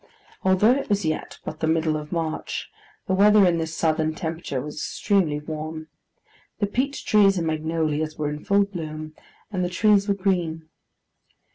Although it was yet but the middle of March, the weather in this southern temperature was extremely warm; the peech trees and magnolias were in full bloom; and the trees were green.